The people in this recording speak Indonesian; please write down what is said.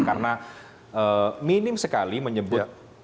karena minim sekali menyebut